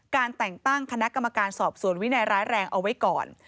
การแต่งตั้งคณะกรรมการสอบสวนวินัยร้ายแรงเอาไว้ก่อน